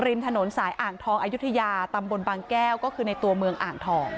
ริมถนนสายอ่างทองอายุทยาตำบลบางแก้วก็คือในตัวเมืองอ่างทอง